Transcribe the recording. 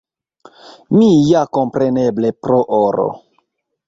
Mi ja, kompreneble, pro oro.